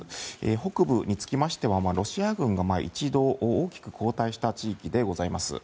北部につきましてはロシア軍が一度大きく後退した地域でございます。